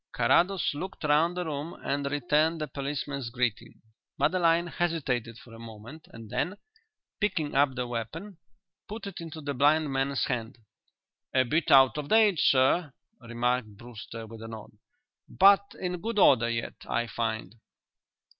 Carrados "looked" round the room and returned the policeman's greeting. Madeline hesitated for a moment, and then, picking up the weapon, put it into the blind man's hand. "A bit out of date, sir," remarked Brewster, with a nod. "But in good order yet, I find."